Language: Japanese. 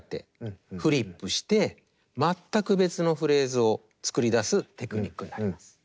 フリップして全く別のフレーズを作り出すテクニックになります。